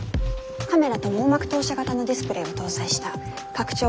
カメラと網膜投射型のディスプレーを搭載した拡張